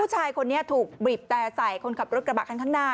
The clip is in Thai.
ชายคนนี้ถูกบีบแต่ใส่คนขับรถกระบะข้างหน้า